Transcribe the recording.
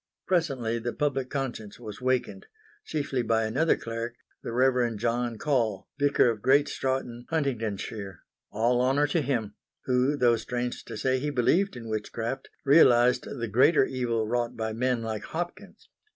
Presently the public conscience was wakened; chiefly by another cleric, the Rev. John Caule, vicar of Great Staughton, Huntingdonshire all honour to him! who, though strange to say he believed in witchcraft, realised the greater evil wrought by men like Hopkins.